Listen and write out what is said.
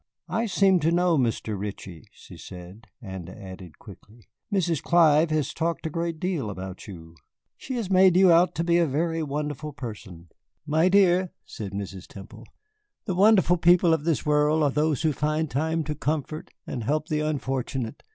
"I seem to know Mr. Ritchie," she said, and added quickly: "Mrs. Clive has talked a great deal about you. She has made you out a very wonderful person." "My dear," said Mrs. Temple, "the wonderful people of this world are those who find time to comfort and help the unfortunate.